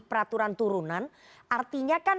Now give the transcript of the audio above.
peraturan turunan artinya kan